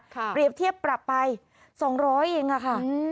เปรียบเทียบปรับไป๒๐๐เองค่ะ